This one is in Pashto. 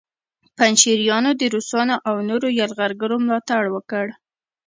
پنجشیریانو د روسانو او نورو یرغلګرو ملاتړ وکړ